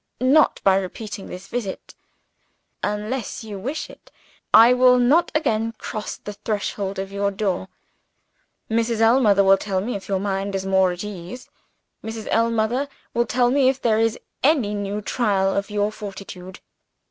Not by repeating this visit! Unless you wish it, I will not again cross the threshold of your door. Mrs. Ellmother will tell me if your mind is more at ease; Mrs. Ellmother will tell me if there is any new trial of your fortitude.